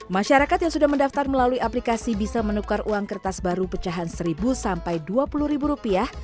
masyarakat yang sudah mendaftar melalui aplikasi bisa menukar uang kertas baru pecahan seribu sampai dua puluh ribu rupiah